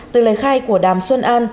từ lời khai của đàm xuân an